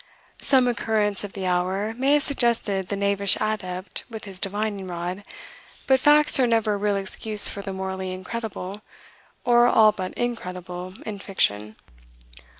Some occurrence of the hour may have suggested the knavish adept with his divining rod. But facts are never a real excuse for the morally incredible, or all but incredible, in fiction.